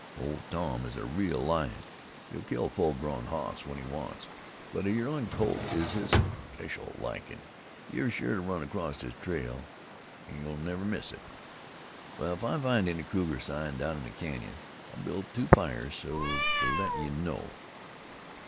Old Tom is a real lion. He'll kill a full grown hoss when he wants, but a yearlin' colt is his especial likin'. You're sure to run acrost his trail, an' you'll never miss it. Wal, if I find any cougar sign down in the canyon, I'll build two fires so as to let you know.